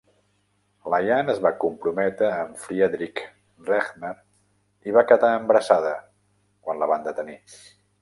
Liane es va comprometre amb Friedrich Rehmer i va quedar embarassada quan la van detenir.